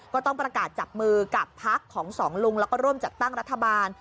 ก็ต้องประกาศจับมือกับพักของสองลุงแล้วก็ร่วมจัดตั้งรัฐบาล